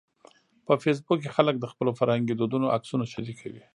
په فېسبوک کې خلک د خپلو فرهنګي دودونو عکسونه شریکوي